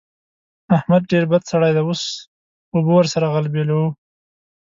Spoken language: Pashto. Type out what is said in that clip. احمد ډېر بد سړی دی؛ اوس اوبه ور سره غلبېلوو.